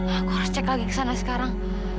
aku harus cek lagi kesana sekarang